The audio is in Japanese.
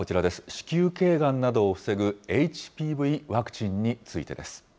子宮けいがんなどを防ぐＨＰＶワクチンについてです。